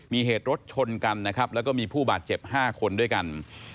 มีเหตุรถชนกันนะครับแล้วก็มีผู้บาดเจ็บ๕คนด้วยกัน